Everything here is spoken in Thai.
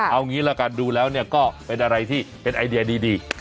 เอางี้ละกันดูแล้วก็เป็นอะไรที่เป็นไอเดียดี